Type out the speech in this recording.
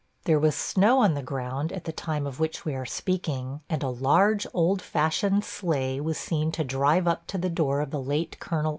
There was snow on the ground, at the time of which we are speaking; and a large old fashioned sleigh was seen to drive up to the door of the late Col.